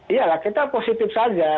iyalah kita positif saja